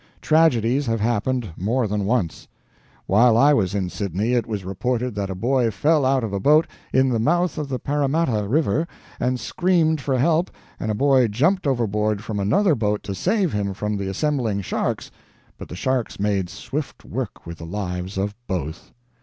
Tragedies have happened more than once. While I was in Sydney it was reported that a boy fell out of a boat in the mouth of the Paramatta river and screamed for help and a boy jumped overboard from another boat to save him from the assembling sharks; but the sharks made swift work with the lives of both.